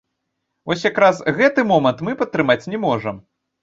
Вось якраз гэты момант мы падтрымаць не можам.